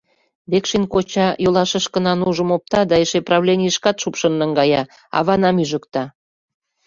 Векшин коча йолашышкына нужым опта да эше правленийышкат шупшын наҥгая, аванам ӱжыкта.